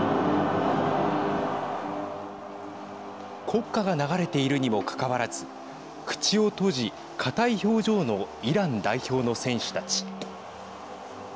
国歌が流れているにもかかわらず口を閉じ、硬い表情のイラン代表の選手たち。